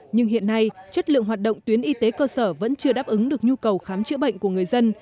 nhưng hiện nay chất lượng hoạt động tuyến y tế cơ sở vẫn chưa đáp ứng được nhu cầu khám chữa bệnh của người dân